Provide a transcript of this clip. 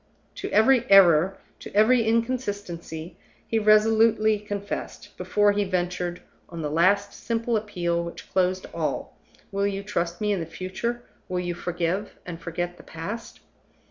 To every error, to every inconsistency, he resolutely confessed, before he ventured on the last simple appeal which closed all, "Will you trust me in the future? Will you forgive and forget the past?"